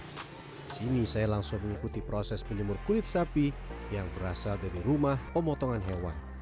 di sini saya langsung mengikuti proses menyemur kulit sapi yang berasal dari rumah pemotongan hewan